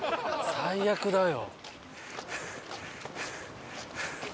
最悪だよ。